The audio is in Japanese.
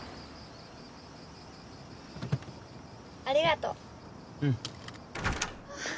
ありがとう。